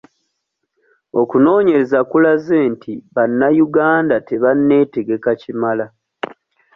Okunoonyereza kulaze nti bannayuganda tebanneetegeka kimala.